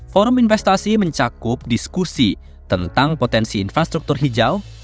forum investasi mencakup diskusi tentang potensi infrastruktur hijau